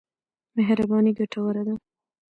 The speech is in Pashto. مهرباني ګټوره ده.